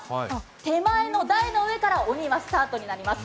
手前の台の上から鬼はスタートになります。